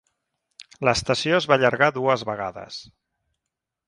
L'estació es va allargar dues vegades.